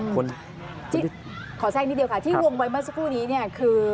ขอแทรกนิดเดียวค่ะที่วงไว้เมื่อสักครู่นี้เนี่ยคือ